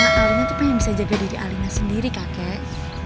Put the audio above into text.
palingnya tuh pengen bisa jaga diri alina sendiri kakek